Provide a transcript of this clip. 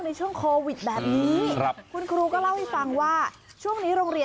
ในช่วงโควิดแบบนี้